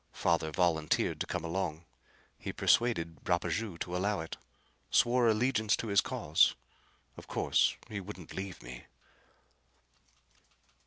Father volunteered to come along. He persuaded Rapaju to allow it. Swore allegiance to his cause. Of course he wouldn't leave me."